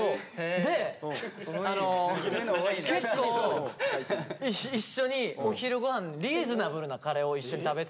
で結構一緒にお昼御飯リーズナブルなカレーを一緒に食べてたんすけど。